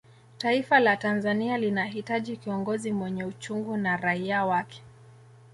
taifa la tanzania linahitaji kiongozi mwenye uchungu na raia wake